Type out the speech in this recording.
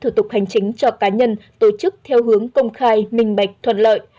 thủ tục hành chính cho cá nhân tổ chức theo hướng công khai minh bạch thuận lợi